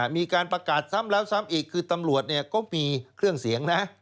มีการประกาศซ้ำแล้วซ้ำอีกคือตำรวจก็มีเครื่องเสียงนะ